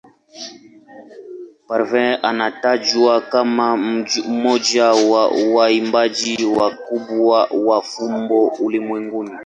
Parveen anatajwa kama mmoja wa waimbaji wakubwa wa fumbo ulimwenguni.